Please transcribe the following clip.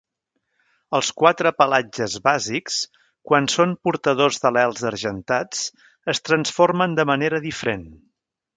Els quatre pelatges bàsics, quan són portadors d'al·lels argentats, es transformen de manera diferent.